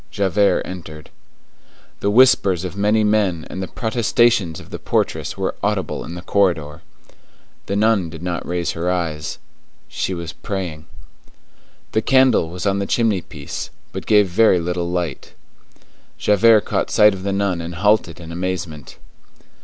Javert entered. The whispers of many men and the protestations of the portress were audible in the corridor. The nun did not raise her eyes. She was praying. The candle was on the chimney piece, and gave but very little light. Javert caught sight of the nun and halted in amazement.